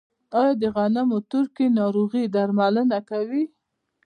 آیا د غنمو تورکي ناروغي درملنه لري؟